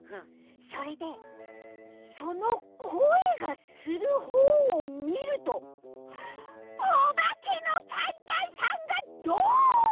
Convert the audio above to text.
それでそのこえがするほうをみるとおばけのパンタンさんがどん！